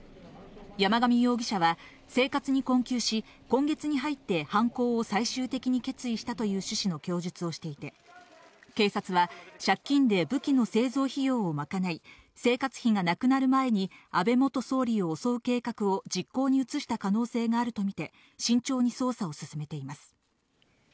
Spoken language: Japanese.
山上容疑者は生活に困窮し、今月に入って犯行を最終的に決意したという趣旨の供述をしていて、警察は借金で武器の製造費用をまかない、生活費がなくなる前に安倍元総理を襲う計画を実行に移した可能性があるとみて、慎重に捜査を進めています。